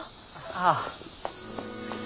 ああ。